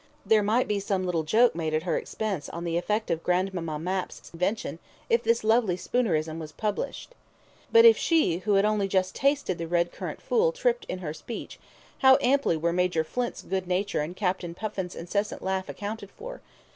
There might be some little joke made at her expense on the effect of Grandmamma Mapp's invention if this lovely Spoonerism was published. But if she who had only just tasted the red currant fool tripped in her speech, how amply were Major Flint's good nature and Captain Puffin's incessant laugh accounted for.